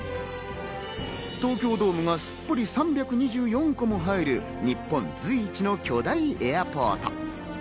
東京ドームがすっぽり３２４個も入る日本随一のエアポート。